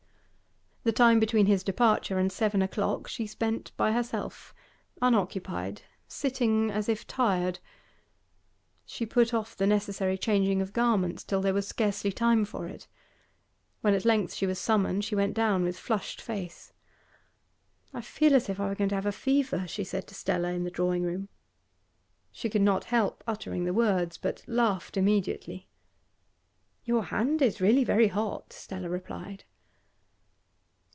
The time between his departure and seven o'clock she spent by herself, unoccupied, sitting as if tired. She put off the necessary changing of garments till there was scarcely time for it. When at length she was summoned she went down with flushed face. 'I feel as if I were going to have a fever,' she said to Stella in the drawing room. She could not help uttering the words, but laughed immediately. 'Your hand is really very hot,' Stella replied.